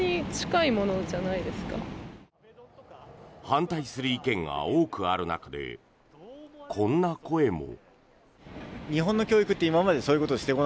反対する意見が多くある中でこんな声も。